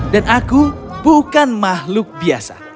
dan aku bukan mahluk biasa